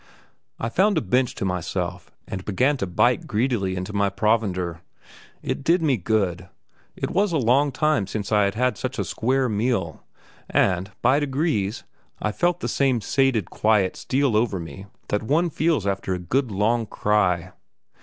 I found a bench to myself, and began to bite greedily into my provender. It did me good; it was a long time since I had had such a square meal, and, by degrees, I felt the same sated quiet steal over me that one feels after a good long cry.